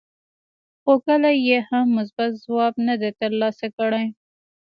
خو کله یې هم مثبت ځواب نه دی ترلاسه کړی.